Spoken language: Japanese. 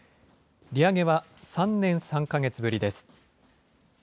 利上げは３年３か月ぶりです。